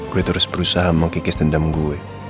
gue terus berusaha mengkikis dendam gue